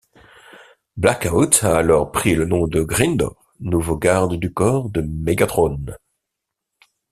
Blackout a alors pris le nom de Grindor, nouveau garde du corps de Mégatron.